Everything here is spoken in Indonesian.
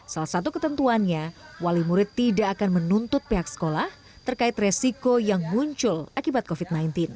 salah satu ketentuannya wali murid tidak akan menuntut pihak sekolah terkait resiko yang muncul akibat covid sembilan belas